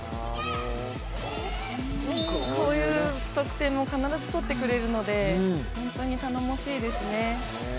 こういう得点も必ずとってくれるので本当に頼もしいですね。